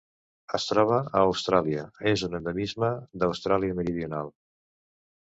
Es troba a Austràlia: és un endemisme d'Austràlia Meridional.